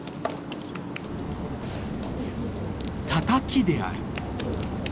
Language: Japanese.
「たたき」である。